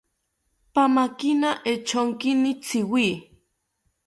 Pamakina echonkini tziwi